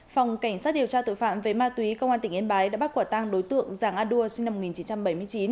phòng cảnh sát điều tra tội phạm về ma túy công an tỉnh yên bái đã bắt quả tang đối tượng giàng a đua sinh năm một nghìn chín trăm bảy mươi chín